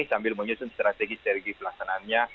sambil menyusun strategi strategi pelaksanaannya